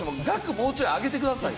もうちょい上げてくださいよ。